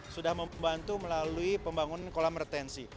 sudah membantu melalui pembangunan kolam retensi